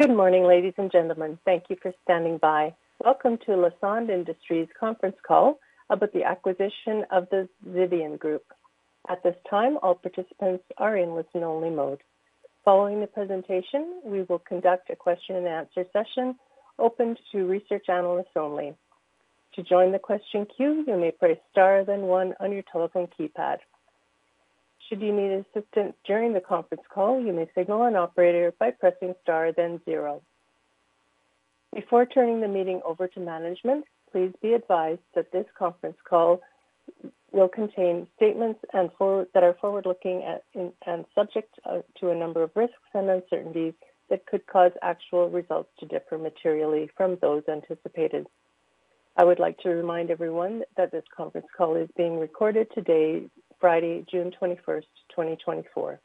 Good morning, ladies and gentlemen. Thank you for standing by. Welcome to Lassonde Industries' conference call about the acquisition of the Zidian Group. At this time, all participants are in listen-only mode. Following the presentation, we will conduct a question-and-answer session open to research analysts only. To join the question queue, you may press star then one on your telephone keypad. Should you need assistance during the conference call, you may signal an operator by pressing star then zero. Before turning the meeting over to management, please be advised that this conference call will contain statements that are forward-looking and subject to a number of risks and uncertainties that could cause actual results to differ materially from those anticipated. I would like to remind everyone that this conference call is being recorded today, Friday, June 21st, 2024.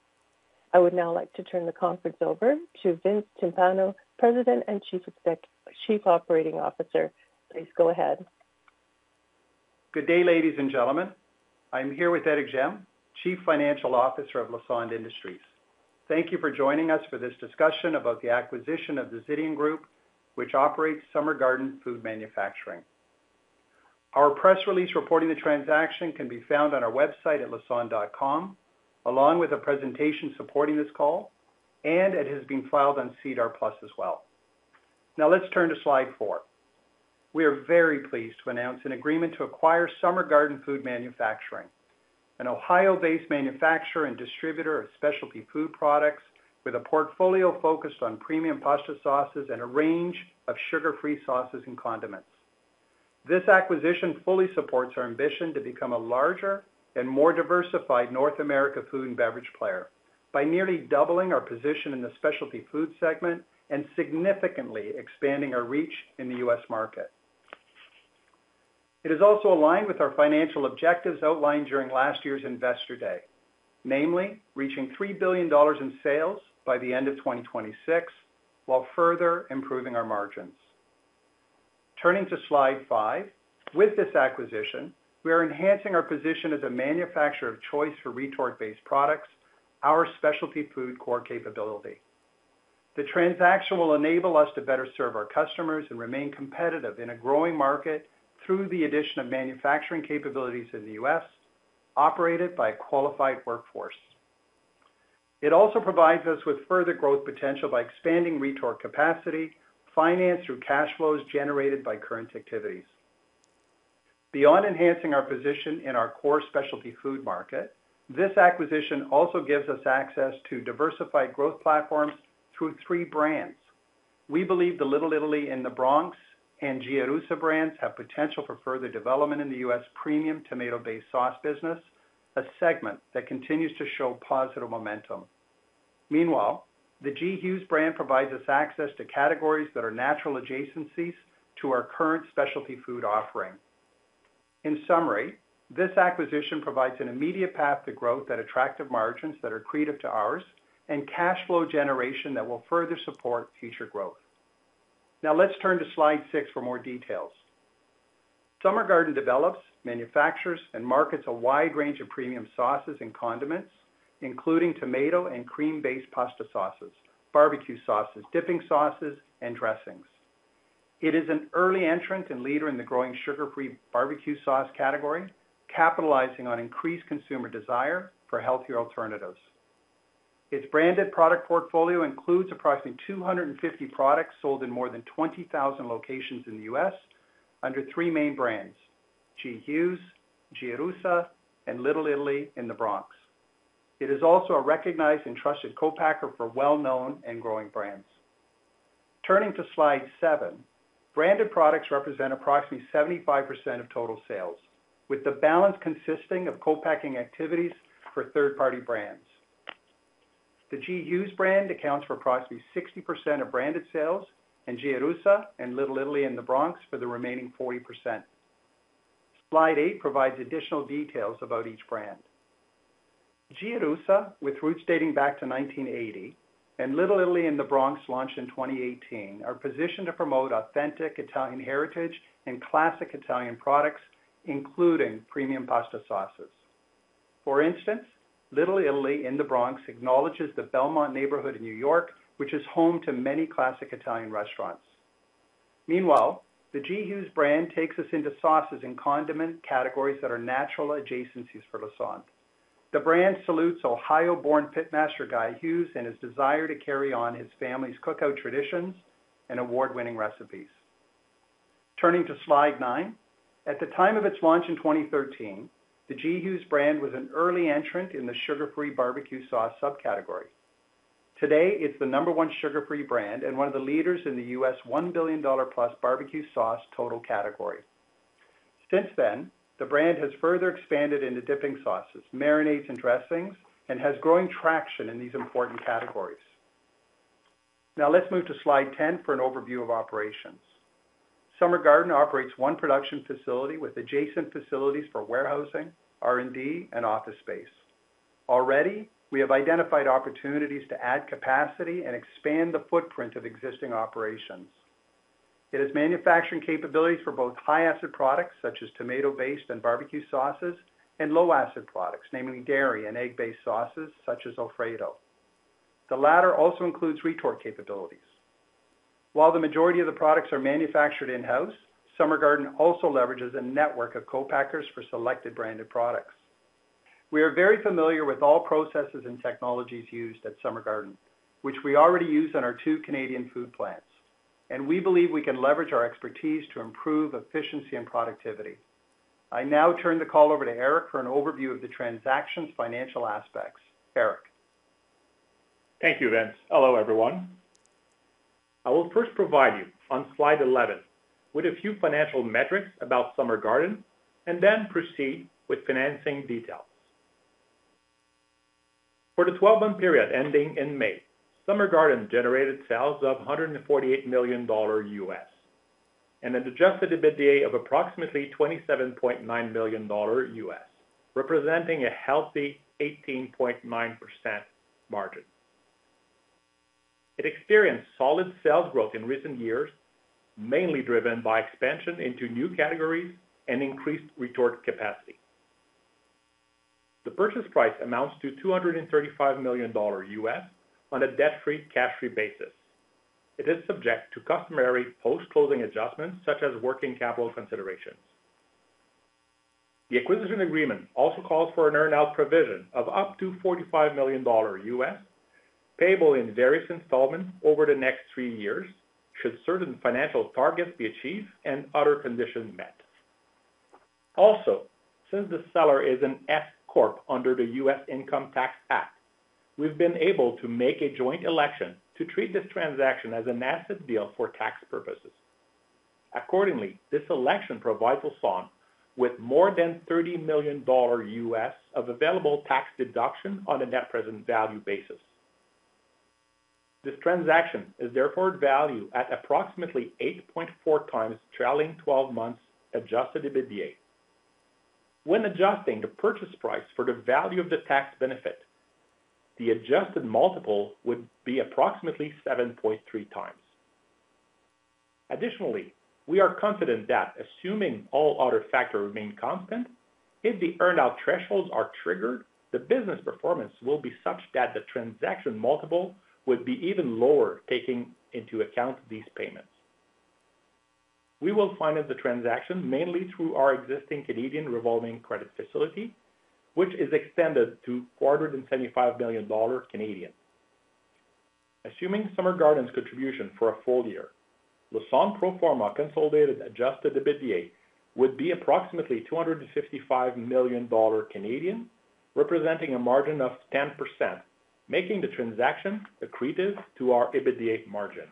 I would now like to turn the conference over to Vince Timpano, President and Chief Operating Officer. Please go ahead. Good day, ladies and gentlemen. I'm here with Éric Gemme, Chief Financial Officer of Lassonde Industries. Thank you for joining us for this discussion about the acquisition of the Zidian Group, which operates Summer Garden Food Manufacturing. Our press release reporting the transaction can be found on our website at lassonde.com, along with a presentation supporting this call, and it has been filed on SEDAR+ as well. Now, let's turn to slide four. We are very pleased to announce an agreement to acquire Summer Garden Food Manufacturing, an Ohio-based manufacturer and distributor of specialty food products with a portfolio focused on premium pasta sauces and a range of sugar-free sauces and condiments. This acquisition fully supports our ambition to become a larger and more diversified North America food and beverage player by nearly doubling our position in the specialty food segment and significantly expanding our reach in the U.S. market. It is also aligned with our financial objectives outlined during last year's Investor Day, namely reaching $3 billion in sales by the end of 2026 while further improving our margins. Turning to slide five, with this acquisition, we are enhancing our position as a manufacturer of choice for retort-based products, our specialty food core capability. The transaction will enable us to better serve our customers and remain competitive in a growing market through the addition of manufacturing capabilities in the U.S., operated by a qualified workforce. It also provides us with further growth potential by expanding retort capacity financed through cash flows generated by current activities. Beyond enhancing our position in our core specialty food market, this acquisition also gives us access to diversified growth platforms through three brands. We believe the Little Italy in the Bronx and Gia Russa brands have potential for further development in the U.S. premium tomato-based sauce business, a segment that continues to show positive momentum. Meanwhile, the G. Hughes brand provides us access to categories that are natural adjacencies to our current specialty food offering. In summary, this acquisition provides an immediate path to growth that attracts margins that are accretive to ours and cash flow generation that will further support future growth. Now, let's turn to slide six for more details. Summer Garden develops, manufactures, and markets a wide range of premium sauces and condiments, including tomato and cream-based pasta sauces, barbecue sauces, dipping sauces, and dressings. It is an early entrant and leader in the growing sugar-free barbecue sauce category, capitalizing on increased consumer desire for healthier alternatives. Its branded product portfolio includes approximately 250 products sold in more than 20,000 locations in the U.S. under three main brands: G. Hughes, Gia Russa, and Little Italy in the Bronx. It is also a recognized and trusted co-packer for well-known and growing brands. Turning to slide seven, branded products represent approximately 75% of total sales, with the balance consisting of co-packing activities for third-party brands. The G. Hughes brand accounts for approximately 60% of branded sales, and Gia Russa and Little Italy in the Bronx for the remaining 40%. Slide eight provides additional details about each brand. Gia Russa, with roots dating back to 1980, and Little Italy in the Bronx launched in 2018, are positioned to promote authentic Italian heritage and classic Italian products, including premium pasta sauces. For instance, Little Italy in the Bronx acknowledges the Belmont neighborhood in New York, which is home to many classic Italian restaurants. Meanwhile, the G. Hughes brand takes us into sauces and condiment categories that are natural adjacencies for Lassonde. The brand salutes Ohio-born pitmaster G. Hughes and his desire to carry on his family's cookout traditions and award-winning recipes. Turning to slide nine, at the time of its launch in 2013, the G. Hughes brand was an early entrant in the sugar-free barbecue sauce subcategory. Today, it's the number one sugar-free brand and one of the leaders in the U.S. $1 billion-plus barbecue sauce total category. Since then, the brand has further expanded into dipping sauces, marinades, and dressings, and has growing traction in these important categories. Now, let's move to slide 10 for an overview of operations. Summer Garden operates one production facility with adjacent facilities for warehousing, R&D, and office space. Already, we have identified opportunities to add capacity and expand the footprint of existing operations. It has manufacturing capabilities for both high-acid products such as tomato-based and barbecue sauces and low-acid products, namely dairy and egg-based sauces such as Alfredo. The latter also includes retort capabilities. While the majority of the products are manufactured in-house, Summer Garden also leverages a network of co-packers for selected branded products. We are very familiar with all processes and technologies used at Summer Garden, which we already use on our two Canadian food plants, and we believe we can leverage our expertise to improve efficiency and productivity. I now turn the call over to Éric for an overview of the transaction's financial aspects. Éric. Thank you, Vince. Hello, everyone. I will first provide you on slide 11 with a few financial metrics about Summer Garden and then proceed with financing details. For the 12-month period ending in May, Summer Garden generated sales of $148 million. an adjusted EBITDA of approximately $27.9 million, representing a healthy 18.9% margin. It experienced solid sales growth in recent years, mainly driven by expansion into new categories and increased retort capacity. The purchase price amounts to $235 million on a debt-free, cash-free basis. It is subject to customary post-closing adjustments such as working capital considerations. The acquisition agreement also calls for an earn-out provision of up to $45 million, payable in various installments over the next three years should certain financial targets be achieved and other conditions met. Also, since the seller is an S Corp under the U.S. Income Tax Act, we've been able to make a joint election to treat this transaction as an asset deal for tax purposes. Accordingly, this election provides Lassonde with more than $30 million of available tax deduction on a net present value basis. This transaction is therefore at value at approximately 8.4x trailing 12 months Adjusted EBITDA. When adjusting the purchase price for the value of the tax benefit, the adjusted multiple would be approximately 7.3x. Additionally, we are confident that assuming all other factors remain constant, if the earn-out thresholds are triggered, the business performance will be such that the transaction multiple would be even lower taking into account these payments. We will finance the transaction mainly through our existing Canadian revolving credit facility, which is extended to 475 million Canadian dollars. Assuming Summer Garden's contribution for a full year, Lassonde pro forma consolidated Adjusted EBITDA would be approximately 255 million Canadian dollars, representing a margin of 10%, making the transaction accretive to our EBITDA margin.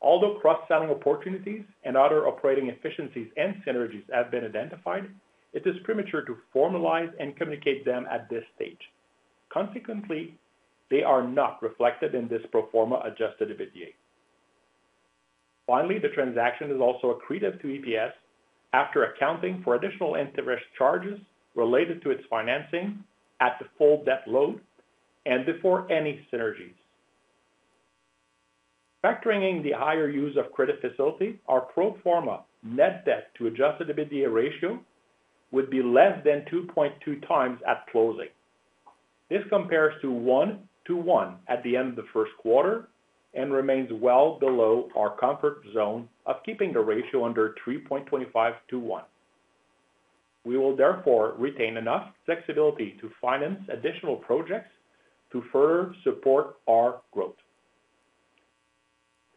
Although cross-selling opportunities and other operating efficiencies and synergies have been identified, it is premature to formalize and communicate them at this stage. Consequently, they are not reflected in this pro forma Adjusted EBITDA. Finally, the transaction is also accretive to EPS after accounting for additional interest charges related to its financing at the full debt load and before any synergies. Factoring in the higher use of credit facility, our pro forma net debt to Adjusted EBITDA ratio would be less than 2.2x at closing. This compares to 1-to-1 at the end of the first quarter and remains well below our comfort zone of keeping the ratio under 3.25-to-1. We will therefore retain enough flexibility to finance additional projects to further support our growth.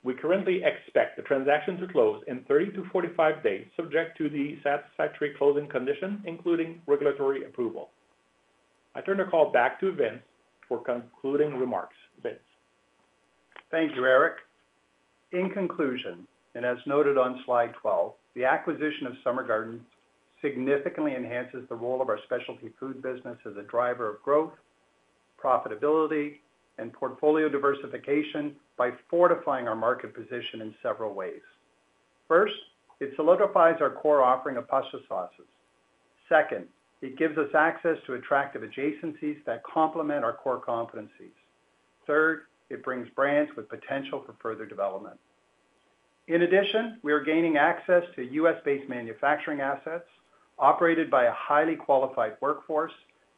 We currently expect the transaction to close in 30-45 days, subject to the satisfactory closing condition, including regulatory approval. I turn the call back to Vince for concluding remarks. Vince. Thank you, Éric. In conclusion, and as noted on slide 12, the acquisition of Summer Garden significantly enhances the role of our specialty food business as a driver of growth, profitability, and portfolio diversification by fortifying our market position in several ways. First, it solidifies our core offering of pasta sauces. Second, it gives us access to attractive adjacencies that complement our core competencies. Third, it brings brands with potential for further development. In addition, we are gaining access to U.S.-based manufacturing assets operated by a highly qualified workforce,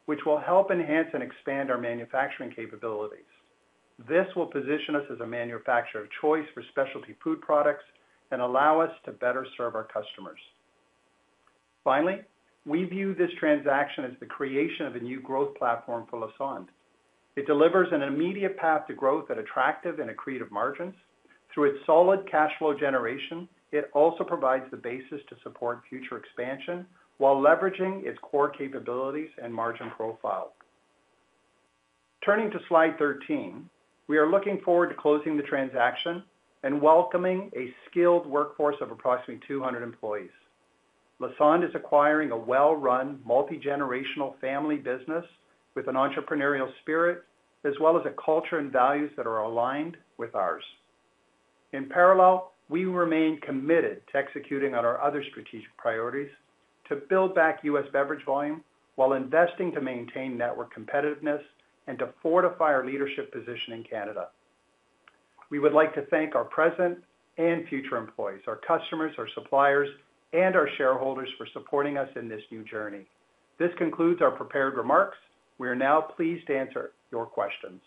which will help enhance and expand our manufacturing capabilities. This will position us as a manufacturer of choice for specialty food products and allow us to better serve our customers. Finally, we view this transaction as the creation of a new growth platform for Lassonde. It delivers an immediate path to growth at attractive and accretive margins. Through its solid cash flow generation, it also provides the basis to support future expansion while leveraging its core capabilities and margin profile. Turning to slide 13, we are looking forward to closing the transaction and welcoming a skilled workforce of approximately 200 employees. Lassonde is acquiring a well-run, multi-generational family business with an entrepreneurial spirit as well as a culture and values that are aligned with ours. In parallel, we remain committed to executing on our other strategic priorities to build back U.S. beverage volume while investing to maintain network competitiveness and to fortify our leadership position in Canada. We would like to thank our present and future employees, our customers, our suppliers, and our shareholders for supporting us in this new journey. This concludes our prepared remarks. We are now pleased to answer your questions.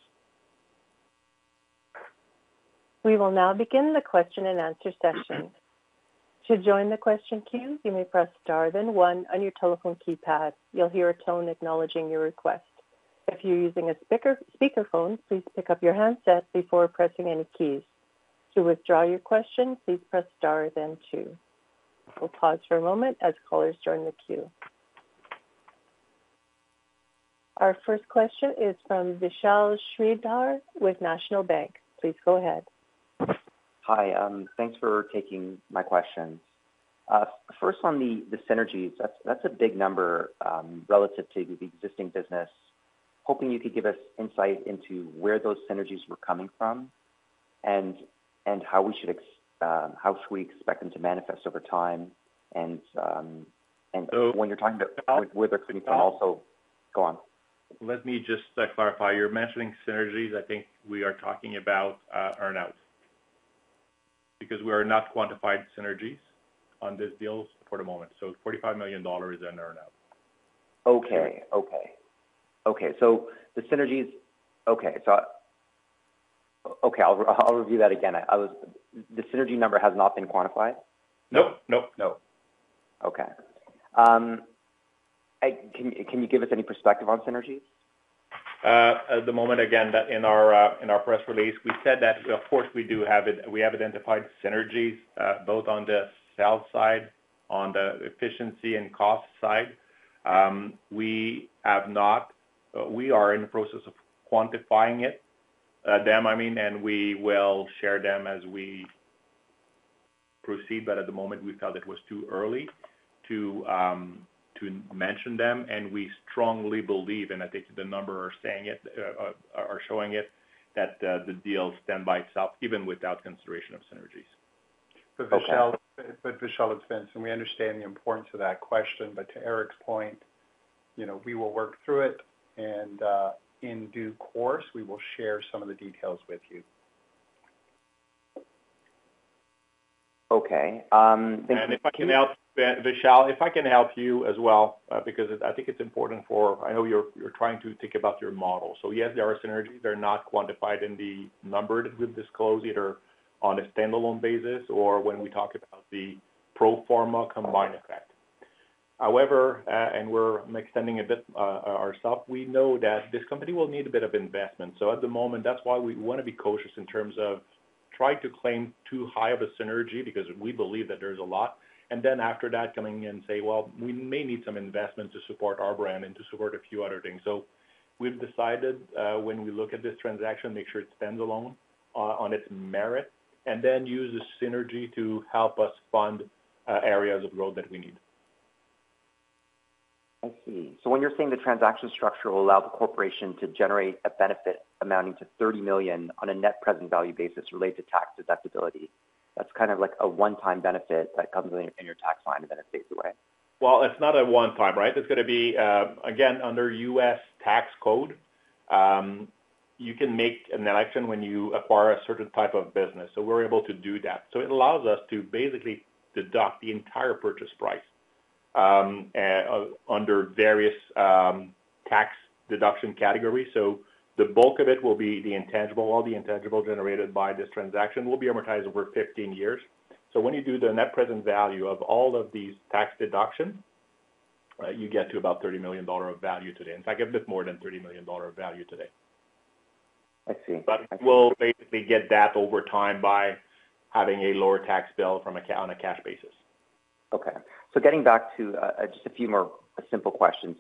We will now begin the question and answer session. To join the question queue, you may press star then one on your telephone keypad. You'll hear a tone acknowledging your request. If you're using a speakerphone, please pick up your handset before pressing any keys. To withdraw your question, please press star then two. We'll pause for a moment as callers join the queue. Our first question is from Vishal Shreedhar with National Bank. Please go ahead. Hi. Thanks for taking my questions. First, on the synergies, that's a big number relative to the existing business. Hoping you could give us insight into where those synergies were coming from and how we expect them to manifest over time and. When you're talking about where they're coming from also. Go on. Let me just clarify. You're mentioning synergies. I think we are talking about earn-out because we are not quantified synergies on these deals for the moment. So $45 million is an earn-out. Okay. So the synergies. Okay. I'll review that again. The synergy number has not been quantified? Nope. Nope. No. Okay. Can you give us any perspective on synergies? At the moment, again, in our press release, we said that, of course, we do have it. We have identified synergies both on the sales side, on the efficiency and cost side. We are in the process of quantifying them, I mean, and we will share them as we proceed. But at the moment, we felt it was too early to mention them. And we strongly believe, and I think the number are saying it or showing it, that the deal stands by itself even without consideration of synergies. Vishal explains, and we understand the importance of that question. To Éric's point, we will work through it, and in due course, we will share some of the details with you. Okay. And if I can help, Vishal, if I can help you as well, because I think it's important. I know you're trying to think about your model. So yes, there are synergies. They're not quantified and numbered. We've disclosed either on a standalone basis or when we talk about the pro forma combined effect. However, and we're extending a bit ourselves, we know that this company will need a bit of investment. So at the moment, that's why we want to be cautious in terms of trying to claim too high of a synergy because we believe that there's a lot. And then after that, coming in and say, well, we may need some investment to support our brand and to support a few other things. We've decided when we look at this transaction, make sure it stands alone on its merit, and then use the synergy to help us fund areas of growth that we need. I see. So when you're saying the transaction structure will allow the corporation to generate a benefit amounting to $30 million on a net present value basis related to tax deductibility, that's kind of like a one-time benefit that comes in your tax line and then it fades away? Well, it's not a one-time, right? It's going to be, again, under U.S. tax code. You can make an election when you acquire a certain type of business. So we're able to do that. So it allows us to basically deduct the entire purchase price under various tax deduction categories. So the bulk of it will be the intangible. All the intangible generated by this transaction will be amortized over 15 years. So when you do the net present value of all of these tax deductions, you get to about $30 million of value today. In fact, a bit more than $30 million of value today. I see. But we'll basically get that over time by having a lower tax bill from a cash basis. Okay. So getting back to just a few more simple questions.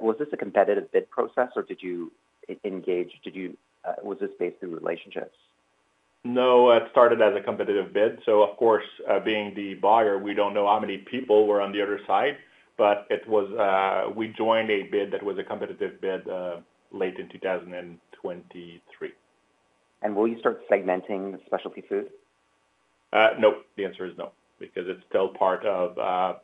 Was this a competitive bid process, or did you engage? Was this based through relationships? No. It started as a competitive bid. So of course, being the buyer, we don't know how many people were on the other side, but we joined a bid that was a competitive bid late in 2023. Will you start segmenting specialty food? Nope. The answer is no because it's still part of putting,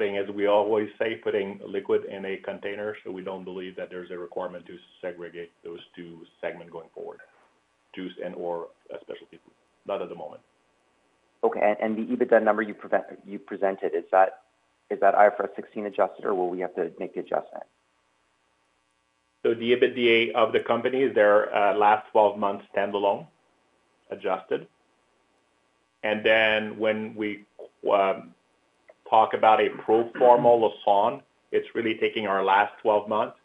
as we always say, putting liquid in a container. So we don't believe that there's a requirement to segregate those two segments going forward: juice and/or specialty food. Not at the moment. Okay. And the EBITDA number you presented, is that IFRS 16 adjusted, or will we have to make the adjustment? The EBITDA of the company is their last 12 months standalone adjusted. Then when we talk about a pro forma Lassonde, it's really taking our last 12 months,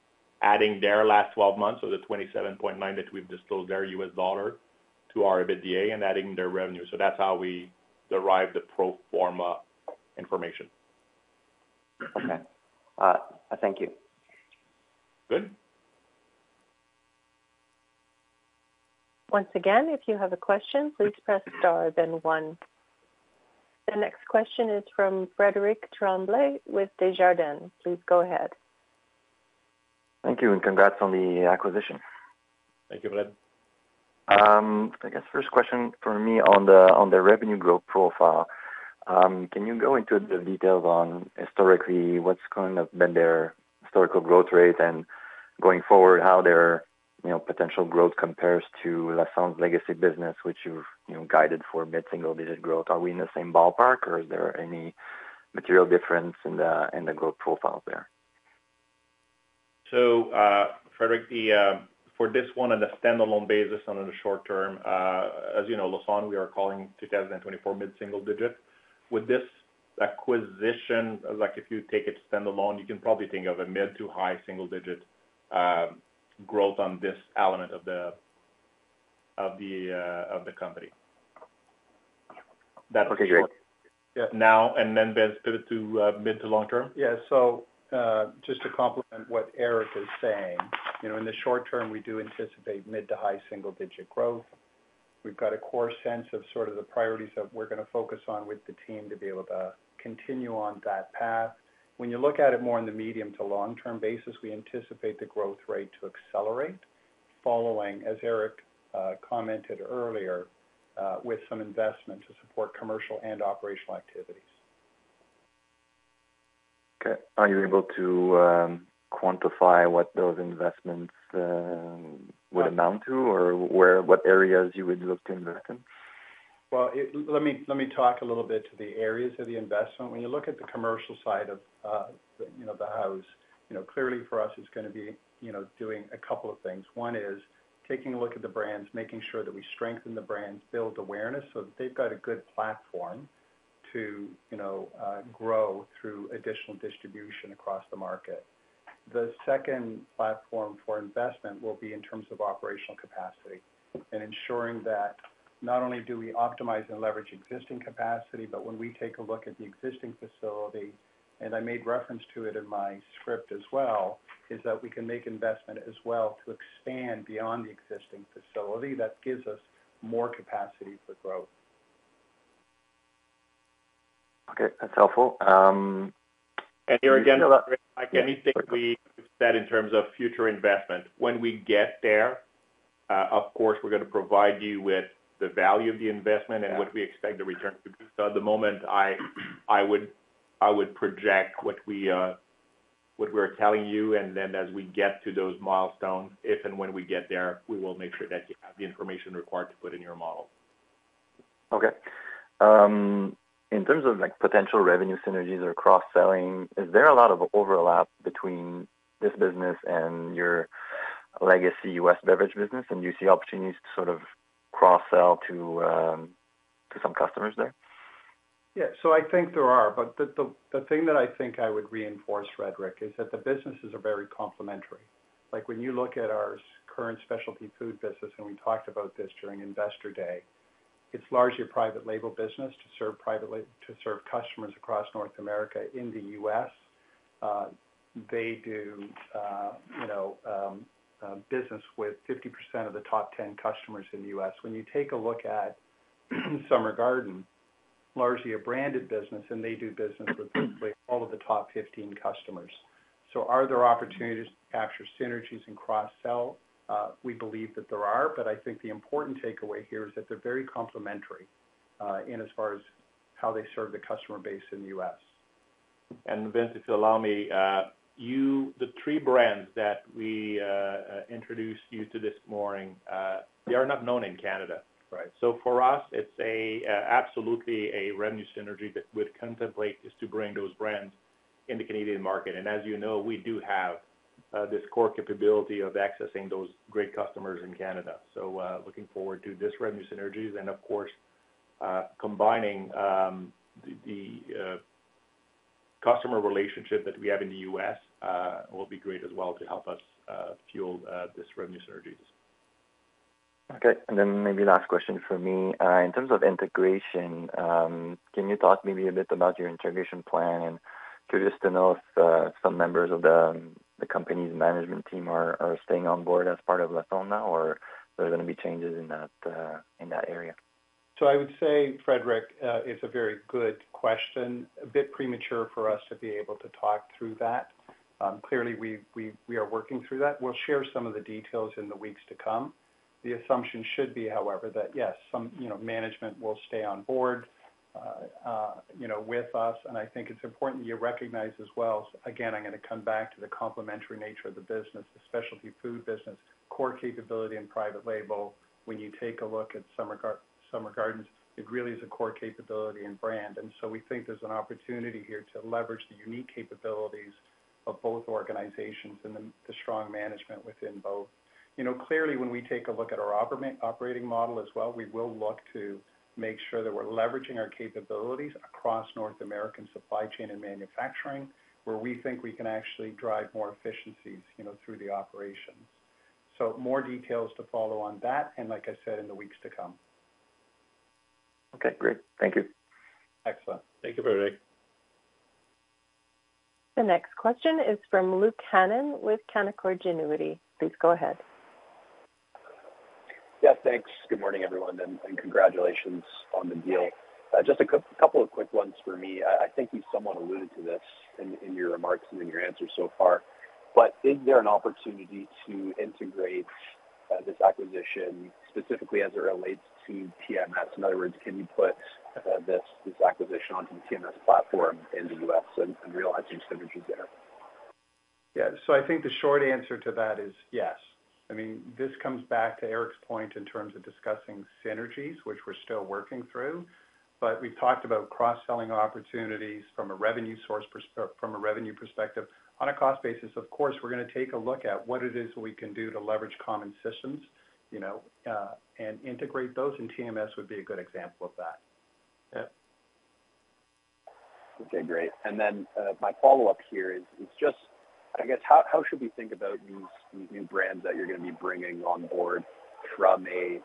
adding their last 12 months of the $27.9 that we've disclosed their U.S. dollar to our EBITDA, and adding their revenue. That's how we derive the pro forma information. Okay. Thank you. Good. Once again, if you have a question, please press star then one. The next question is from Frédéric Tremblay with Desjardins. Please go ahead. Thank you and congrats on the acquisition. Thank you, Frédéric. I guess first question for me on the revenue growth profile. Can you go into the details on historically what's kind of been their historical growth rate and going forward how their potential growth compares to Lassonde's legacy business, which you've guided for mid-single-digit growth? Are we in the same ballpark, or is there any material difference in the growth profile there? So Frédéric, for this one on the standalone basis on the short term, as you know, Lassonde, we are calling 2024 mid-single-digit. With this acquisition, if you take it standalone, you can probably think of a mid- to high-single-digit growth on this element of the company. Okay. Great. Now, and then pivot to mid- to long-term? Yeah. So just to complement what Éric is saying, in the short term, we do anticipate mid- to high-single-digit growth. We've got a core sense of sort of the priorities that we're going to focus on with the team to be able to continue on that path. When you look at it more on the medium- to long-term basis, we anticipate the growth rate to accelerate following, as Éric commented earlier, with some investment to support commercial and operational activities. Okay. Are you able to quantify what those investments would amount to or what areas you would look to invest in? Well, let me talk a little bit to the areas of the investment. When you look at the commercial side of the house, clearly for us, it's going to be doing a couple of things. One is taking a look at the brands, making sure that we strengthen the brands, build awareness so that they've got a good platform to grow through additional distribution across the market. The second platform for investment will be in terms of operational capacity and ensuring that not only do we optimize and leverage existing capacity, but when we take a look at the existing facility, and I made reference to it in my script as well, is that we can make investment as well to expand beyond the existing facility that gives us more capacity for growth. Okay. That's helpful. Here again, like anything we said in terms of future investment, when we get there, of course, we're going to provide you with the value of the investment and what we expect the return to be. At the moment, I would project what we are telling you. Then as we get to those milestones, if and when we get there, we will make sure that you have the information required to put in your model. Okay. In terms of potential revenue synergies or cross-selling, is there a lot of overlap between this business and your legacy U.S. beverage business? And do you see opportunities to sort of cross-sell to some customers there? Yeah. So I think there are. But the thing that I think I would reinforce, Frédéric, is that the businesses are very complementary. When you look at our current specialty food business, and we talked about this during investor day, it's largely a private label business to serve customers across North America, in the U.S. They do business with 50% of the top 10 customers in the U.S. When you take a look at Summer Garden, largely a branded business, and they do business with all of the top 15 customers. So are there opportunities to capture synergies and cross-sell? We believe that there are. But I think the important takeaway here is that they're very complementary in as far as how they serve the customer base in the U.S. Vince Timpano, if you allow me, the three brands that we introduced you to this morning, they are not known in Canada. So for us, it's absolutely a revenue synergy that we'd contemplate is to bring those brands in the Canadian market. And as you know, we do have this core capability of accessing those great customers in Canada. So looking forward to this revenue synergies. And of course, combining the customer relationship that we have in the U.S. will be great as well to help us fuel this revenue synergies. Okay. And then maybe last question for me. In terms of integration, can you talk maybe a bit about your integration plan? And curious to know if some members of the company's management team are staying on board as part of Lassonde now, or are there going to be changes in that area? So I would say, Frédéric, it's a very good question. A bit premature for us to be able to talk through that. Clearly, we are working through that. We'll share some of the details in the weeks to come. The assumption should be, however, that yes, some management will stay on board with us. And I think it's important that you recognize as well, again, I'm going to come back to the complementary nature of the business, the specialty food business, core capability and private label. When you take a look at Summer Gardens, it really is a core capability and brand. And so we think there's an opportunity here to leverage the unique capabilities of both organizations and the strong management within both. Clearly, when we take a look at our operating model as well, we will look to make sure that we're leveraging our capabilities across North American supply chain and manufacturing, where we think we can actually drive more efficiencies through the operations. More details to follow on that, and like I said, in the weeks to come. Okay. Great. Thank you. Excellent. Thank you, Frédéric. The next question is from Luke Hannan with Canaccord Genuity. Please go ahead. Yes. Thanks. Good morning, everyone, and congratulations on the deal. Just a couple of quick ones for me. I think you somewhat alluded to this in your remarks and in your answers so far. But is there an opportunity to integrate this acquisition specifically as it relates to TMS? In other words, can you put this acquisition onto the TMS platform in the U.S. and realize some synergies there? Yeah. So I think the short answer to that is yes. I mean, this comes back to Éric's point in terms of discussing synergies, which we're still working through. But we've talked about cross-selling opportunities from a revenue perspective on a cost basis. Of course, we're going to take a look at what it is we can do to leverage common systems and integrate those, and TMS would be a good example of that. Yeah. Okay. Great. And then my follow-up here is just, I guess, how should we think about these new brands that you're going to be bringing on board from a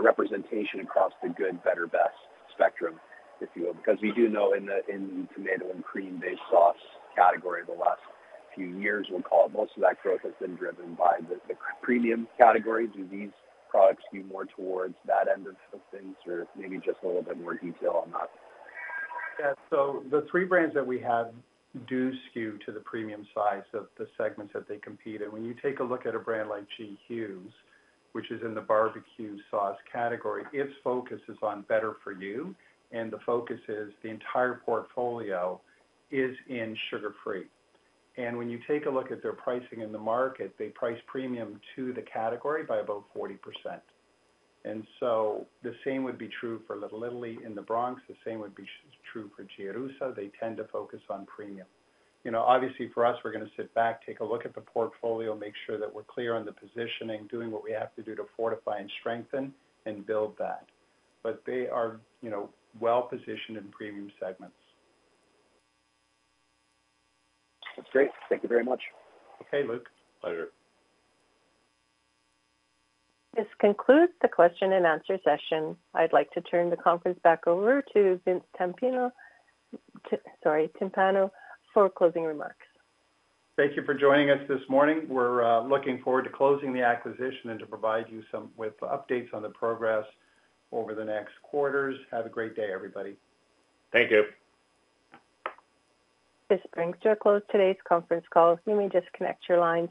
representation across the good, better, best spectrum, if you will? Because we do know in the tomato and cream-based sauce category, the last few years, we'll call it, most of that growth has been driven by the premium category. Do these products skew more towards that end of things, or maybe just a little bit more detail on that? Yeah. So the three brands that we have do skew to the premium side of the segments that they compete. And when you take a look at a brand like G. Hughes's, which is in the barbecue sauce category, its focus is on better for you. And the focus is the entire portfolio is in sugar-free. And when you take a look at their pricing in the market, they price premium to the category by about 40%. And so the same would be true for Little Italy in the Bronx. The same would be true for Gia Russa. They tend to focus on premium. Obviously, for us, we're going to sit back, take a look at the portfolio, make sure that we're clear on the positioning, doing what we have to do to fortify and strengthen and build that. But they are well-positioned in premium segments. That's great. Thank you very much. Okay, Luke. Pleasure. This concludes the question and answer session. I'd like to turn the conference back over to Vince Timpano for closing remarks. Thank you for joining us this morning. We're looking forward to closing the acquisition and to provide you with updates on the progress over the next quarters. Have a great day, everybody. Thank you. This brings to a close today's conference call. You may now disconnect your lines.